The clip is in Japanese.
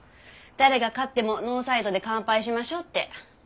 誰が勝ってもノーサイドで乾杯しましょうって。